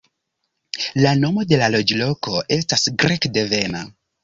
La nomo de la loĝloko estas grek-devena.